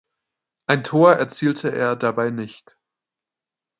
Ein Tor erzielte er dabei nicht.